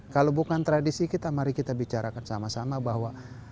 kalau bukan tradisi kita mari kita bicarakan sama sama bahwa